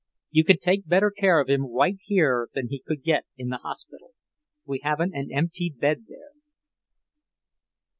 You can take better care of him right here than he could get in the hospital. We haven't an empty bed there."